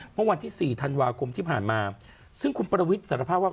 เมื่อวันที่๔ธันวาคมที่ผ่านมาซึ่งคุณประวิทย์สารภาพว่า